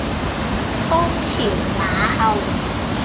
鞍前馬後